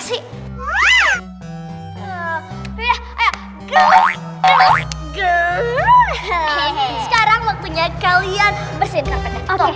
sekarang waktunya kalian bersihin karpetnya